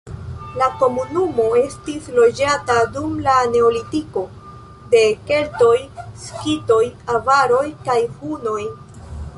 La komunumo estis loĝata dum la neolitiko, de keltoj, skitoj, avaroj kaj hunoj.